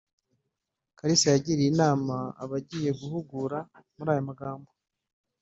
Kalisa yagiriye inama abagiye guhugura muri aya magambo